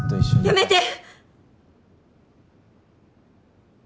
やめて！